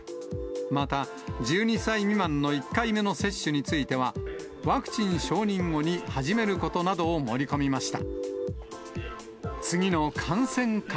また１２歳未満の１回目の接種については、ワクチン承認後に始めることなどを盛り込みました。